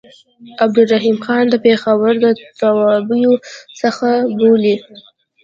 عبدالرحیم ځان د پېښور د توابعو څخه بولي.